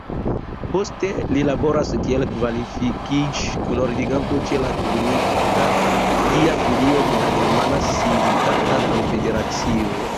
Poste li laboris kiel kvalifikiĝ-kunordiganto ĉe la turingia filio de la Germana sindikata konfederacio.